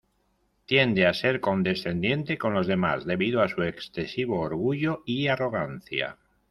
Tiende a ser condescendiente con los demás, debido a su excesivo orgullo y arrogancia.